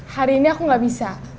hari ini aku gak bisa